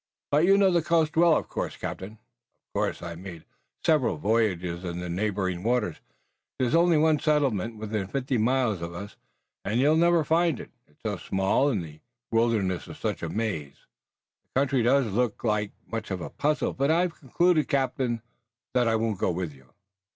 "But you know the coast well, of course, captain?" "Of course. I've made several voyages in the neighboring waters. There's only one settlement within fifty miles of us, and you'd never find it, it's so small and the wilderness is such a maze." "The country does look like much of a puzzle, but I've concluded, captain, that I won't go with you."